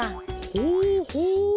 ほうほう。